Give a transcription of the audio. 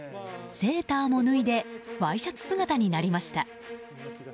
セーターも脱いでワイシャツ姿になりました。